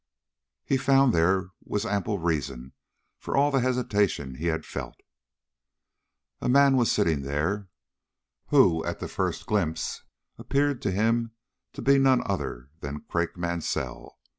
He found there was ample reason for all the hesitation he had felt. A man was sitting there, who, at the first glimpse, appeared to him to be none other than Craik Mansell.